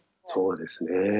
そうですね。